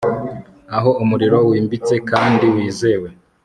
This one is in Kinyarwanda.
Aho umuriro wimbitse kandi wizewe